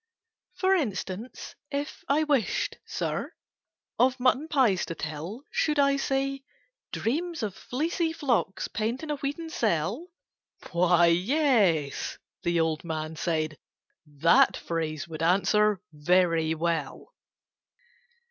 "For instance, if I wished, Sir, Of mutton pies to tell, Should I say 'dreams of fleecy flocks Pent in a wheaten cell'?" "Why, yes," the old man said: "that phrase Would answer very well.